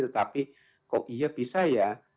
tetapi kok iya bisa ya